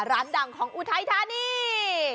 ร้านดังของอุทัยธานี